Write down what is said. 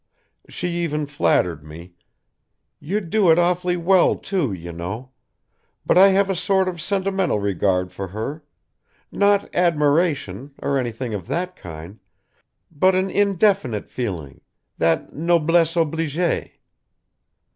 She even flattered me: "You'd do it awfully well too, you know; but I have a sort of sentimental regard for her not admiration, or anything of that kind, but an indefinite feeling that noblesse oblige.